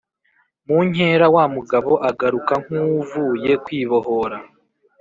munkera wamugabo agaruka nkuwuvuye kwibohora